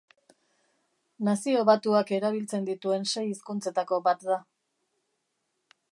Nazio Batuak erabiltzen dituen sei hizkuntzetako bat da.